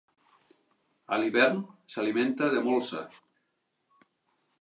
A l'hivern s'alimenta de molsa.